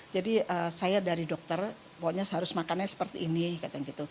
jadi saya dari dokter pokoknya harus makannya seperti ini